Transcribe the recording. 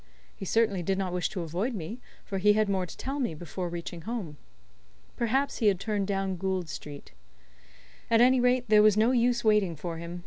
He certainly did not wish to avoid me, for he had more to tell me before reaching home. Perhaps he had turned down Gould Street. At any rate, there was no use waiting for him.